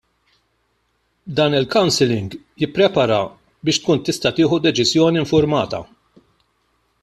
Dan il-Counselling jippreparaha biex tkun tista' tieħu deċiżjoni infurmata.